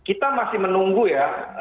kita masih menunggu ya